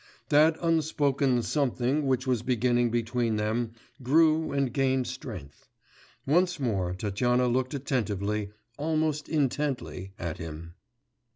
That unspoken something which was beginning between them grew and gained strength. Once more Tatyana looked attentively, almost intently, at him.